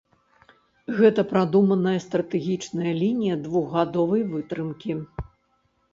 Гэта прадуманая стратэгічная лінія двухгадовай вытрымкі.